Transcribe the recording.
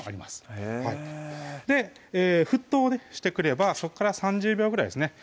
へぇで沸騰してくればそこから３０秒ぐらいですね